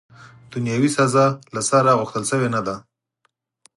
دنیاوي سزا، له سره، غوښتل سوې نه ده.